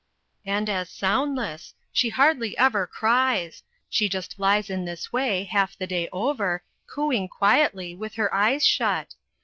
"And as soundless she hardly ever cries. She just lies in this way half the day over, cooing quietly, with her eyes shut.